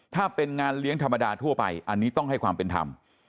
ถ้าเป็นงานเลี้ยงธรรมดาทั่วไปอันนี้ต้องให้ความเป็นธรรม